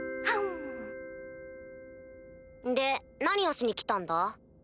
で何をしに来たんだ？